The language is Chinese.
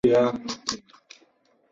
聚集在入口处